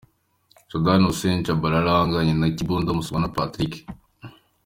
Shaban Hussein Tchabalala ahanganye na Kikunda Musombwa Patrick.